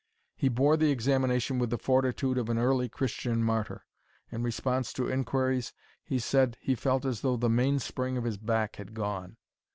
He bore the examination with the fortitude of an early Christian martyr. In response to inquiries he said he felt as though the mainspring of his back had gone.